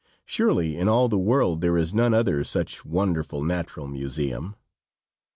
Surely in all the world there is none other such wonderful natural museum.